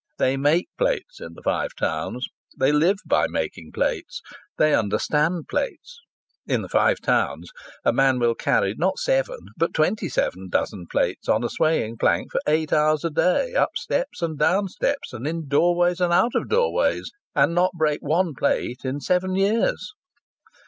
They make plates in the Five Towns. They live by making plates. They understand plates. In the Five Towns a man will carry not seven but twenty seven dozen plates on a swaying plank for eight hours a day up steps and down steps, and in doorways and out of doorways, and not break one plate in seven years!